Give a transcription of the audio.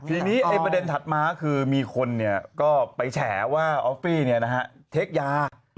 ทีนี้ประเด็นถัดมาคือมีคนเนี่ยก็ไปแฉว่าออฟฟี่เนี่ยนะฮะเทคยา